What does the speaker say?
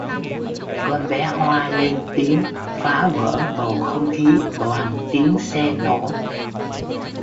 Con bé Hoa lên tiếng phá vỡ bầu không khí toàn tiếng xe nổ